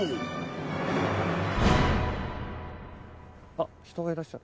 あっ人がいらっしゃる。